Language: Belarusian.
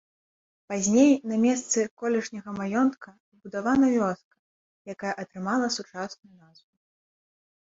Пазней на месцы колішняга маёнтка пабудавана вёска, якая атрымала сучасную назву.